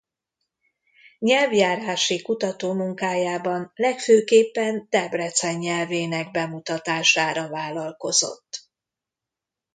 Nyelvjárási kutatómunkájában legfőképpen Debrecen nyelvének bemutatására vállalkozott.